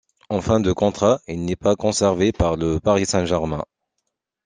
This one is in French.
En fin de contrat il n'est pas conservé par le Paris Saint-Germain.